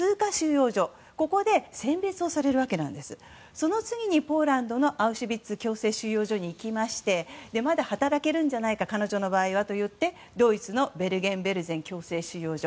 その次にポーランドのアウシュビッツ強制収容所に行きましてまだ働けるんじゃないか彼女の場合はと言ってドイツのベルゲン・ベルゼン強制収容所